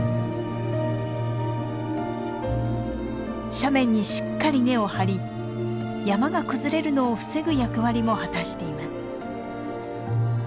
斜面にしっかり根を張り山が崩れるのを防ぐ役割も果たしています。